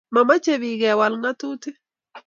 Momoche bik kewal ngatutik